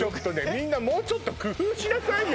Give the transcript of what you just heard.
みんなもうちょっと工夫しなさいよ